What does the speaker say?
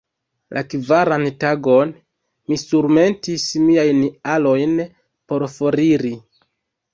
La kvaran tagon, mi surmetis miajn alojn por foriri.